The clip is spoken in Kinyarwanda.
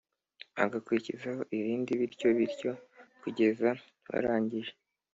agakurikizaho irindi bityo bityo kugeza barangije